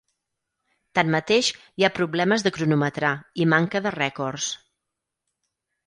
Tanmateix, hi ha problemes de cronometrar i manca de rècords.